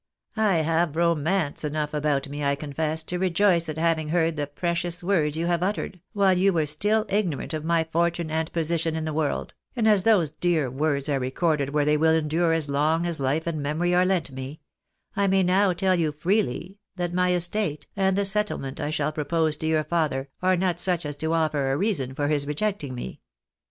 I have romance enough about me, I confess, to rejoice at having heard the precious words you have uttered, while you were still ignorant of my fortune and position in the world ; and as those dear words are recorded where they will endure as long as life and memory are lent me, I may now tell you freely, that my estate, and the settlement I shall propose to your father, are not such as to offer a reason for his rejecting me.